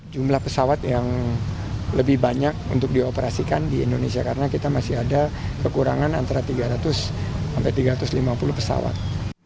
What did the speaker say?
jumlah pesawat yang lebih banyak untuk dioperasikan di indonesia karena kita masih ada kekurangan antara tiga ratus sampai tiga ratus lima puluh pesawat